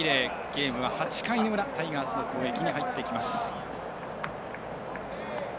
ゲームは８回の裏タイガースの攻撃に入っていきます。